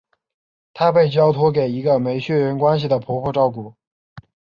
他被交托给一个没血缘关系的婆婆照顾。